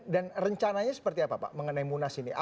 dan rencananya seperti apa pak mengenai munas ini